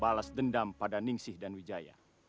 balas dendam pada ningsih dan wijaya